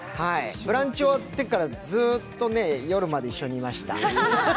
「ブランチ」終わってからずっと夜まで一緒にいました。